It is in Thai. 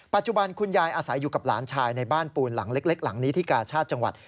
คุณยายอาศัยอยู่กับหลานชายในบ้านปูนหลังเล็กหลังนี้ที่กาชาติจังหวัด